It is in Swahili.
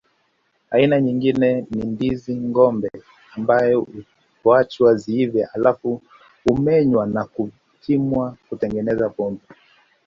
Aina nyingine ni ndizi ngombe ambazo huachwa ziive halafu humenywa na kutumiwa kutengenezea pombe